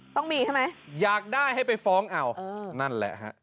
ต้องมีใช่ไหมอยากได้ให้ไปฟ้องเอานั่นแหละฮะ